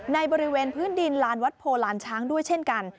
ในบริเวณพื้นดินลานวัดโพลานช้างด้วยเช่นกัน